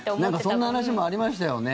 なんか、そんな話もありましたよね。